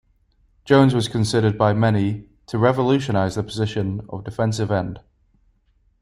Jones was considered by many to revolutionize the position of defensive end.